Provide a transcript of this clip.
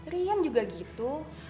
rian juga gitu